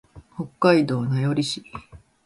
北海道名寄市